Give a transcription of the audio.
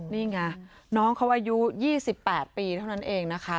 นี่ไงน้องเขาอายุ๒๘ปีเท่านั้นเองนะคะ